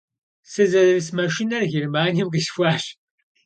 Сызэрыс машинэр Германием къисхуащ.